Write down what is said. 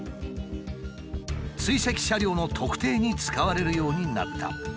追跡車両の特定に使われるようになった。